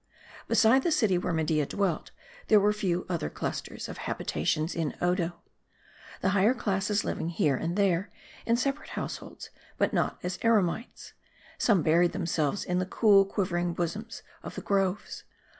Beside the city where Media dwelt, there were lew other MARDI. 225 clusters of habitations in Odo. The higher classes living, here and there, in separate households ; but not as eremites. Some buried themselves in the cool, quivering bosoms of the groves.